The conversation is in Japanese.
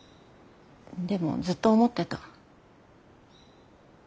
でもずっと思ってた。